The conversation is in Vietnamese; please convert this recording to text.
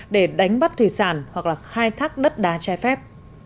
để đánh bắt thủy sản hoặc là khai thác đất đá trai phép